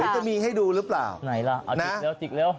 จะมีให้ดูหรือเปล่าไหนล่ะเอาจิกเร็ว